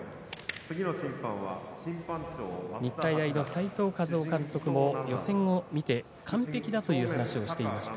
日体大の齋藤一雄監督も予選を見て完璧だという話をしていました。